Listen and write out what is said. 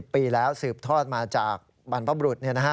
ปีแล้วสืบทอดมาจากบรรพบรุษ